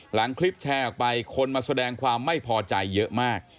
หลังคลิปแชร์ออกไปคนมาแสดงความไม่พอใจเยอะมาก